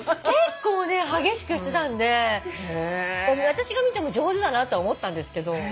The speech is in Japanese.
結構ね激しくしてたんで私が見ても上手だなと思ったんですけど